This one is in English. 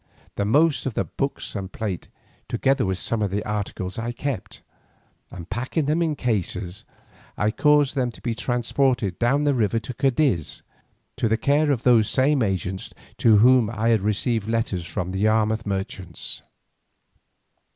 The most of the books and plate, together with some other articles, I kept, and packing them in cases, I caused them to be transported down the river to Cadiz, to the care of those same agents to whom I had received letters from the Yarmouth merchants.